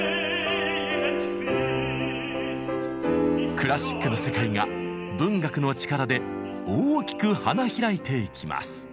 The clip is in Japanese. クラシックの世界が文学の力で大きく花開いていきます。